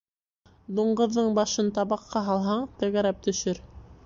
Дуңғыҙҙың башын табаҡҡа һалһаң, тәгәрәп төшөр.